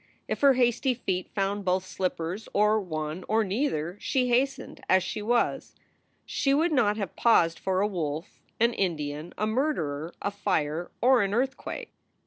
If her hasty feet found both her slippers or one or neither, she hastened as she was. She would not have paused for a wolf, an Indian, a murderer, a fire, or an earthquake.